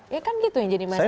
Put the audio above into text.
ya kan gitu yang jadi masalah